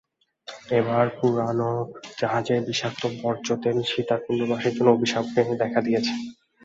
এবার পুরোনো জাহাজের বিষাক্ত বর্জ্য তেল সীতাকুণ্ডবাসীর জন্য অভিশাপ হয়ে দেখা দিয়েছে।